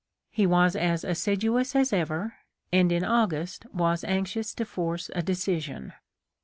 He was as assiduous as ever, and in August was anxious to force a decision.